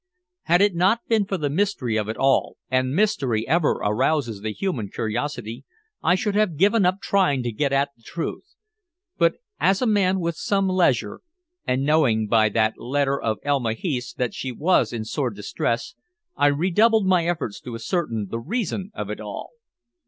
Had it not been for the mystery of it all and mystery ever arouses the human curiosity I should have given up trying to get at the truth. Yet as a man with some leisure, and knowing by that letter of Elma Heath's that she was in sore distress, I redoubled my efforts to ascertain the reason of it all.